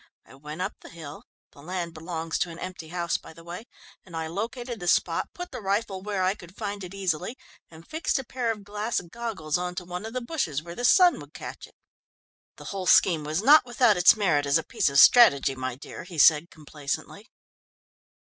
I went up to the hill the land belongs to an empty house, by the way and I located the spot, put the rifle where I could find it easily, and fixed a pair of glass goggles on to one of the bushes, where the sun would catch it. The whole scheme was not without its merit as a piece of strategy, my dear," he said complacently.